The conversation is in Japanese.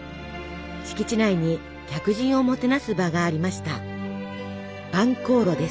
敷地内に客人をもてなす場がありました。